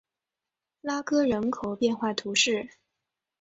拉戈人口变化图示